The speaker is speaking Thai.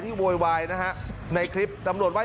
สวัสดีครับคุณผู้ชาย